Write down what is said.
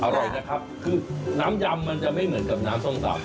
อร่อยนะครับคือน้ำยำมันจะไม่เหมือนกับน้ำส้มตำ